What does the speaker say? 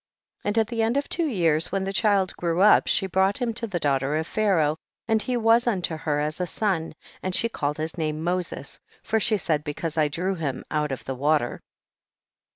24. And at the end of two years, when the child grew up, she brought him to the daughter of Pharaoh, and he was unto her as a son, and she called his name Moses, for she said, because I drew him out of the water 25.